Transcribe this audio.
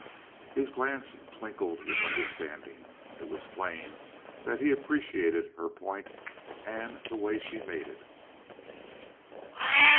His glance twinkled with understanding. It was plain that he appreciated her point and the way she made it.